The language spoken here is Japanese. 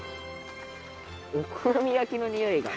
お好み焼きのにおいが。